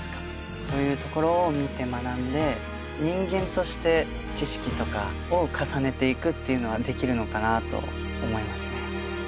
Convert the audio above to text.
そういうところを見て学んで人間として知識とかを重ねていくっていうのはできるのかなと思いますね。